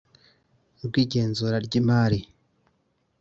rw igenzura ry imari